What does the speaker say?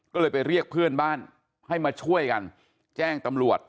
ก็เลยไปเรียกเพื่อนบ้านให้มาช่วยกันแจ้งตำรวจ